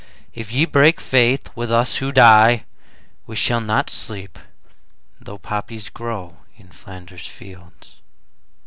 If ye break faith with us who die We shall not sleep, though poppies grow In Flanders fields.